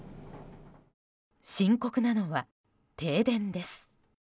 深刻なのは、停電です。